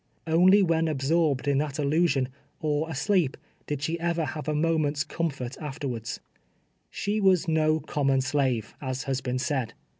Only \vhen absorbed in that illusion, or asleep, did she ever have a moment's comfort afterwards. She was no common slave, as has been said.